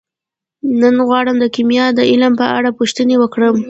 نن غواړم د کیمیا د علم په اړه پوښتنې وکړم.